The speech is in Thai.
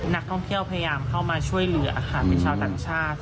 นักพร่องเที่ยวพยายามช่วยเหลือเป็นชาวต่างชาติ